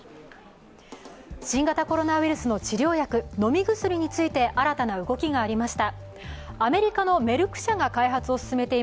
新型コロナウイルスの治療薬、飲み薬について新たな動きがありました。